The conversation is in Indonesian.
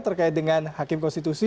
terkait dengan hakim konstitusi